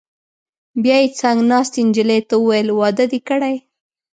بیا یې څنګ ناستې نجلۍ ته وویل: واده دې کړی؟